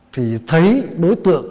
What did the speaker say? thì thấy đối tượng